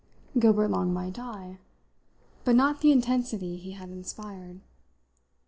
Gilbert Long might die, but not the intensity he had inspired.